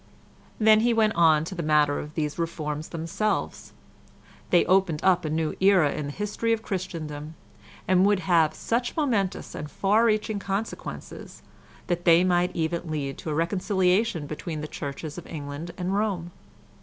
Then he went on to the matter of these reforms themselves. They opened up a new era in the history of Christendom, and would have such momentous and far reaching consequences, that they might even lead to a reconciliation between the Churches of England and Rome.